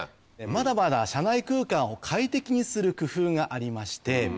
まだまだ車内空間を快適にする工夫がありまして。